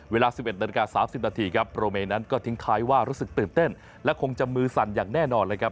เวลา๑๑นาฬิกา๓๐นาทีครับโปรเมนั้นก็ทิ้งท้ายว่ารู้สึกตื่นเต้นและคงจะมือสั่นอย่างแน่นอนเลยครับ